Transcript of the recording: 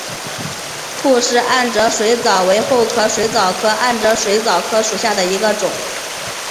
吐氏暗哲水蚤为厚壳水蚤科暗哲水蚤属下的一个种。